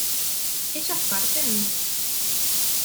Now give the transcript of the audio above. ¿ellas parten?